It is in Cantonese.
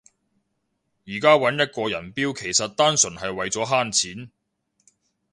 而家搵一個人標其實單純係為咗慳錢